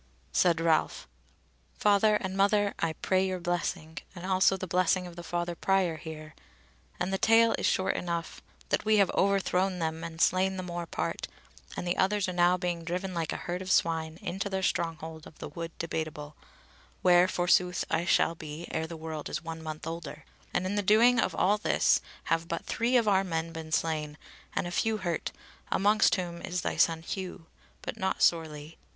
Said Ralph: "Father and mother, I pray your blessing, and also the blessing of the father Prior here; and the tale is short enough: that we have overthrown them and slain the more part, and the others are now being driven like a herd of swine into their stronghold of the Wood Debateable, where, forsooth, I shall be ere the world is one month older. And in the doing of all this have but three of our men been slain and a few hurt, amongst whom is thy son Hugh, but not sorely."